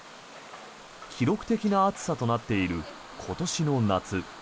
記録的な暑さとなっている今年の夏。